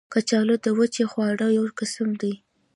کچالو د وچې خواړو یو قسم دی